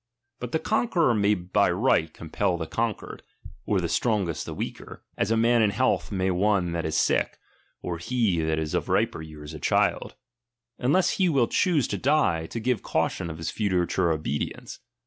But the conqueror may by right LIBERTY. 13 compel the conquered, or the strongest the weaker, (as a man in health may one that is sick, or he that is of riper years a child), uuless he will choose to die, to give cautiou of his future obedience.